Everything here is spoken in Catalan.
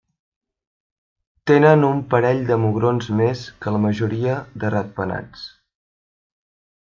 Tenen un parell de mugrons més que la majoria de ratpenats.